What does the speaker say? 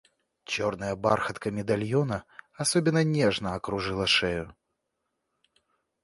Черная бархатка медальона особенно нежно окружила шею.